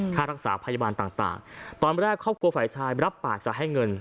ค่ารักษาพยาบาลต่างตอนแรกครอบครัวฝ่ายชายรับปากจะให้เงิน